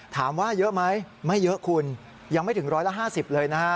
ถามว่าเยอะไหมไม่เยอะคุณยังไม่ถึง๑๕๐ล้านล้านลูกบาทเลย